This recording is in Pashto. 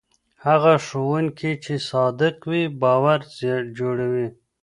هغه ښوونکی چې صادق وي باور جوړوي.